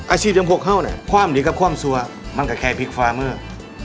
อาชีพยังพวกเขาน่ะความดีกับความสัวมันก็แค่พีคฟาร์เมอร์